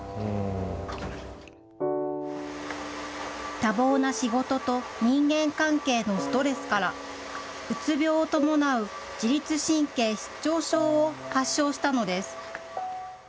多忙な仕事と人間関係のストレスから、うつ病を伴う自律神経失調症を発症したのです。